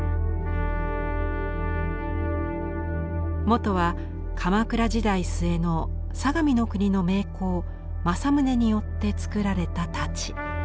元は鎌倉時代末の相模国の名工正宗によって作られた太刀。